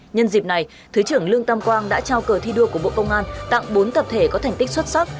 nhân dịp này thứ trưởng lương tam quang đã trao cờ thi đua của bộ công an tặng bốn tập thể có thành tích xuất sắc